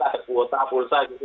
ada kuota pulsa gitu